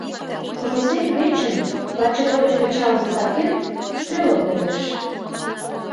Просек вечын, ваче гоч пычалым сакен, стрелок толеш.